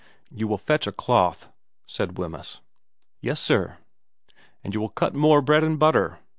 ' You will fetch a cloth,' said Wemyss. ' Yes sir.' ' And you will cut more bread and butter.'